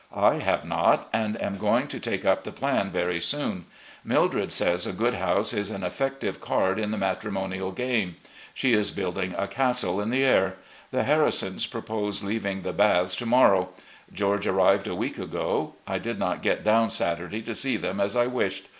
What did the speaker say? I have not, and am going to take up the plan very soon. Mildred says a good house is an effective card in the matrimonial game. She is building a castle in the air. The Harrisons propose leaving the Baths to morrow. George arrived a week ago. I did not get down Saturday to see them as I wished.